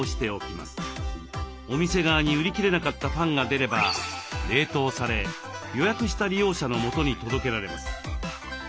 お店側に売りきれなかったパンが出れば冷凍され予約した利用者のもとに届けられます。